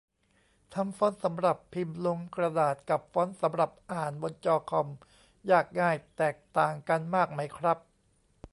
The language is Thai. ทำฟอนต์สำหรับพิมพ์ลงกระดาษ กับ ฟอนต์สำหรับอ่านบนจอคอม ยากง่ายแตกต่างกันมากไหมครับ ?